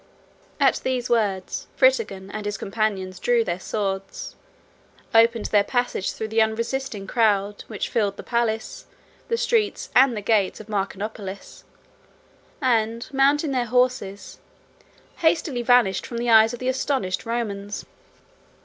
At these words, Fritigern and his companions drew their swords, opened their passage through the unresisting crowd, which filled the palace, the streets, and the gates, of Marcianopolis, and, mounting their horses, hastily vanished from the eyes of the astonished Romans.